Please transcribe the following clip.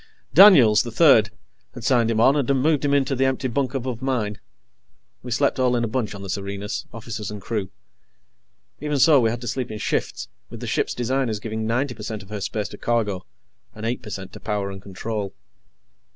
Daniels, the Third, had signed him on and had moved him into the empty bunk above mine. We slept all in a bunch on the Serenus officers and crew. Even so, we had to sleep in shifts, with the ship's designers giving ninety per cent of her space to cargo, and eight per cent to power and control.